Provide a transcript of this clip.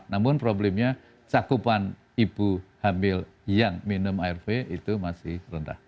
namun problemnya cakupan ibu hamil yang minum arv itu masih rendah